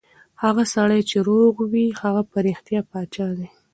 هغه سړی چې روغ وي، هغه په رښتیا پادشاه دی.